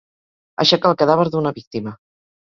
Aixecar el cadàver d'una víctima.